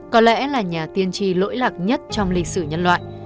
có lẽ là nhà tiên tri lỗi lạc nhất trong lịch sử nhân loại